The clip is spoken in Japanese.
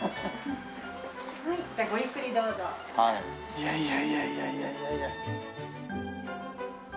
いやいやいやいやいやいやいや。